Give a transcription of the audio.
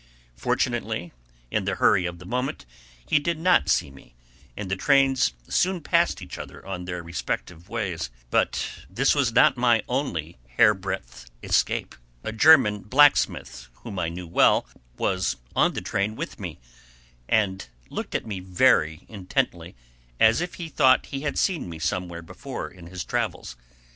Fortunately, in the hurry of the moment, he did not see me; and the trains soon passed each other on their respective ways. But this was not my only hair breadth escape. A German blacksmith whom I knew well was on the train with me, and looked at me very intently, as if he thought he had seen me somewhere before in his travels.